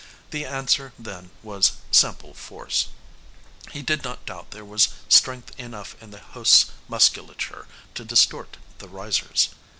The answer, then, was simple force. He did not doubt there was strength enough in the host's musculature to distort the risers.